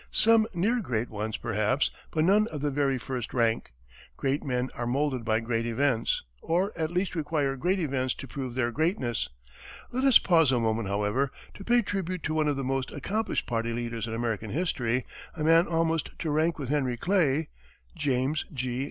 Some near great ones, perhaps, but none of the very first rank. Great men are moulded by great events, or, at least, require great events to prove their greatness. Let us pause a moment, however, to pay tribute to one of the most accomplished party leaders in American history a man almost to rank with Henry Clay James G.